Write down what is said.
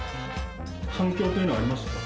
反響というのはありましたか？